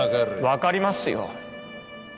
わかりますよ